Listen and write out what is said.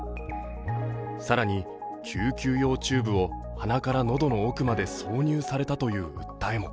更に、救急用チューブを鼻から喉の奥まで挿入されたという訴えも。